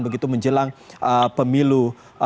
begitu menjelang pemilu dua ribu dua puluh empat